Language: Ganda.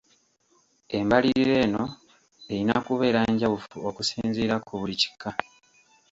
Embalirira eno eyina kubeera njawufu okusinziira ku buli kika.